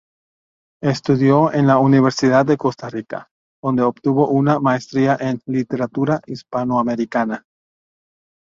Estudió en la Universidad de Costa Rica, donde obtuvo una maestría en Literatura Hispanoamericana.